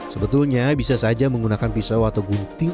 sebetulnya bisa saja menggunakan pisau atau gunting